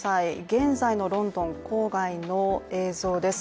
現在のロンドン郊外の映像です。